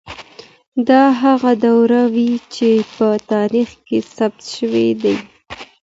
دا هغه دورې وې چي په تاريخ کي ثبت سوې دي.